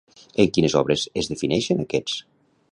En quines obres es defineixen aquests?